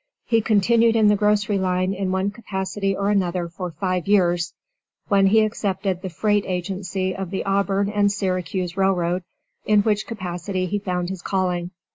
He continued in the grocery line in one capacity or another for five years, when he accepted the freight agency of the Auburn and Syracuse Railroad, in which capacity he had found his calling.